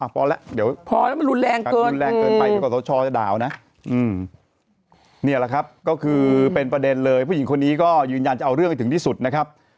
พอแล้วอืมนี่แหละครับก็คือเป็นประเด็นเลยผู้หญิงคนนี้ก็ยืนยันจะเอาเรื่องให้ถึงที่สุดนะครับ